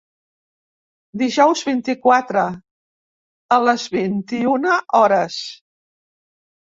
Dijous vint-i-quatre, a les vint-i-una hores.